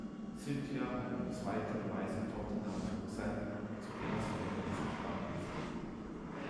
Cynthia hat eine zweite, weiße Tochter namens Roxanne, zu der das Verhältnis gespannt ist.